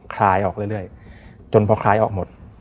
คลายออกเรื่อยจนพอคลายออกหมด